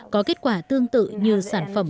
có kết quả tương tự như sản phẩm